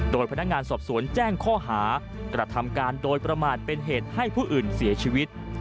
โดยพนักงานสอบสวนแจ้งข้อหากระทำการโดยประมาทเป็นเหตุให้ผู้อื่นเสียชีวิต